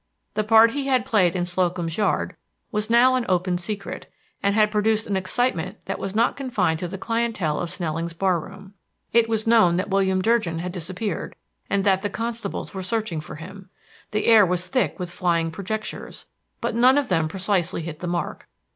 The part he had played in Slocum's Yard was now an open secret, and had produced an excitement that was not confined to the clientèle of Snelling's bar room. It was known that William Durgin had disappeared, and that the constables were searching for him. The air was thick with flying projectures, but none of them precisely hit the mark.